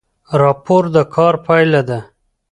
راپور د کار پایله ده